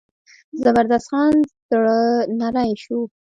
زبردست خان زړه نری شو.